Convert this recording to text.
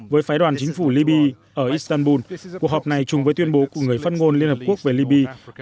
với phái đoàn chính phủ liby ở istanbul cuộc họp này chung với tuyên bố của người phát ngôn liên hợp quốc về liby